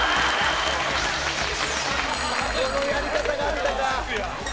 このやり方があったか。